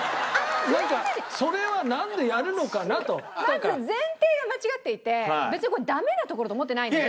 まず前提が間違っていて別にこれダメなところと思ってないので。